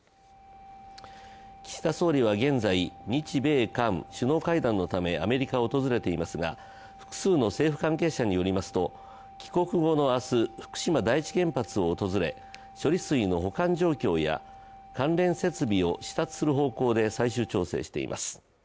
岸田総理は現在、日米韓首脳会談のためアメリカを訪れていますが複数の政府関係者によりますと帰国後の明日、福島第一原発を訪れ、処理水の保管状況や関連設備を視察する方向で最終調整しています。